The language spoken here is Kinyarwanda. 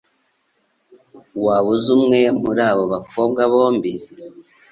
Waba uzi umwe muri abo bakobwa bombi?